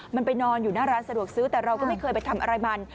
มันไปนอนอยู่หน้าร้านสะดวกซื้อแต่เราก็ไม่เคยไปทำอะไรมัน